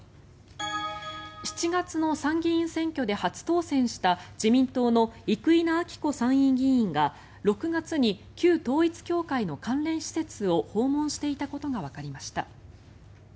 ７月の参議院選挙で初当選した自民党の生稲晃子参院議員が６月に旧統一教会の関連施設を訪問していたことがわかりました。